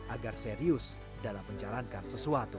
agar serius dalam menjalankan sesuatu